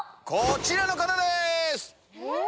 こちらの方です！